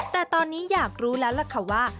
แต่ตอนนี้อยากรู้แล้วล่ะค่ะว่า